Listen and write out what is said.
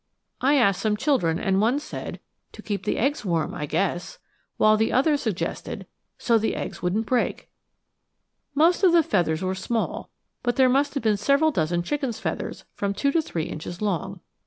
I asked some children, and one said, "To keep the eggs warm, I guess;" while the other suggested, "So the eggs wouldn't break." Most of the feathers were small, but there must have been several dozen chicken's feathers from two to three inches long.